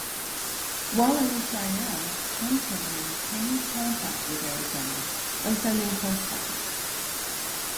While in Siam, Hunt had maintained contact with Arizona by sending postcards.